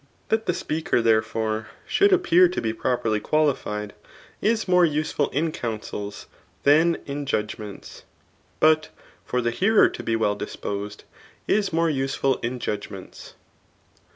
That the speaker, therefore, should appear to be properly qualified, is more useful in counsels [than in judgments;} but for the hearer to be well disposed, is more useful in judgments.